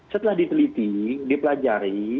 setelah diteliti dipelajari